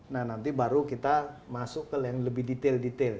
nah nanti baru kita masuk ke yang lebih detail detail